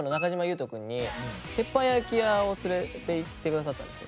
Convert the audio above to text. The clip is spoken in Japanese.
鉄板焼き屋を連れて行ってくださったんですよ。